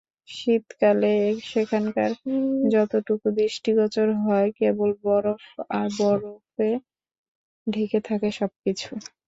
শীতকালে সেখানকার যতটুকু দৃষ্টিগোচর হয়, কেবল বরফ আর বরফে ঢেকে থাকে সবকিছু।